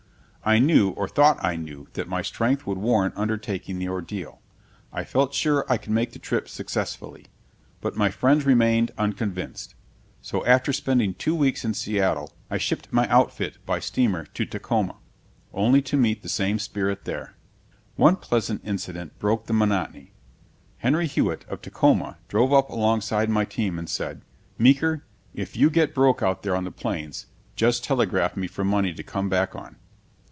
I knew, or thought I knew, that my strength would warrant undertaking the ordeal; I felt sure I could make the trip successfully. But my friends remained unconvinced; so after spending two weeks in Seattle I shipped my outfit by steamer to Tacoma, only to meet the same spirit there. One pleasant incident broke the monotony. Henry Hewitt, of Tacoma, drove up alongside my team and said, "Meeker, if you get broke out there on the Plains, just telegraph me for money to come back on."